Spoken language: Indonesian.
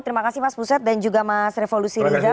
terima kasih mas buset dan juga mas revo lusiriza